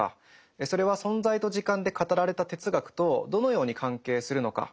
それは「存在と時間」で語られた哲学とどのように関係するのか。